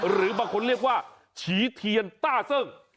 หรือบางคนเรียกว่าฉีเทียนต้าเซิ่ง